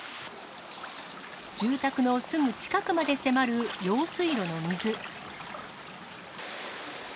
住宅のすぐ近くまで迫る用水路の水。